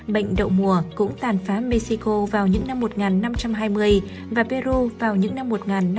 bệnh đậu mùa cũng tàn phá mexico vào những năm một nghìn năm trăm hai mươi và peru vào những năm một nghìn năm trăm năm mươi